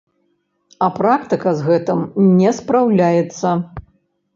А практыка з гэтым не спраўляецца?